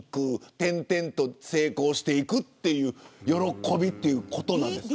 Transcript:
転々と成功していくという喜びということなんですか。